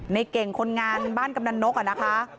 ในเก่งคนงานบ้านกำนันนกอะนะคะ